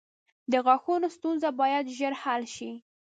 • د غاښونو ستونزه باید ژر حل شي.